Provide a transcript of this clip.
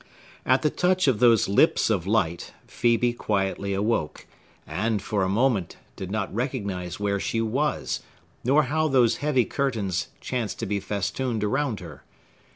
At the touch of those lips of light, Phœbe quietly awoke, and, for a moment, did not recognize where she was, nor how those heavy curtains chanced to be festooned around her.